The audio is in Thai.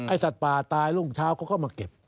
ไอ้สัตว์ปลาตายรุ่งเช้าก็มาเก็บ